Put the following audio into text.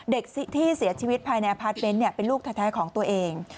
เด็กที่เสียชีวิตภายในอพาร์ทเมนต์เป็นลูกแท้ของตัวเอง